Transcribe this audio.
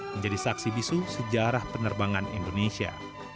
menjadi saksi bisu sejarah penerbangan indonesia